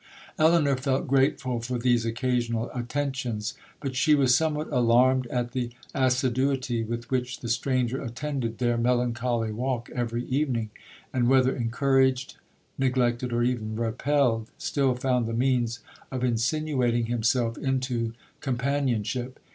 'Elinor felt grateful for these occasional attentions; but she was somewhat alarmed at the assiduity with which the stranger attended their melancholy walk every evening,—and, whether encouraged, neglected, or even repelled, still found the means of insinuating himself into companionship.